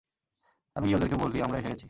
আমি গিয়ে ওদেরকে বলি আমরা এসে গেছি।